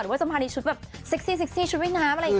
หรือว่าจะมาในชุดแบบสิ๊กซี่ชุดวิ่งน้ำอะไรอย่างนี้